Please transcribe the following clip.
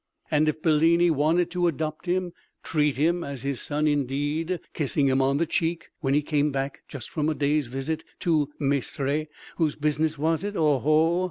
And if Bellini wanted to adopt him, treat him as his son indeed, kissing him on the cheek when he came back just from a day's visit to Mestre, whose business was it! Oho!